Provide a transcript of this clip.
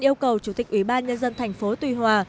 yêu cầu chủ tịch ủy ban nhân dân thành phố tuy hòa